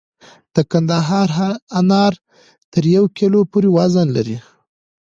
د کندهار انار تر یو کیلو پورې وزن لري.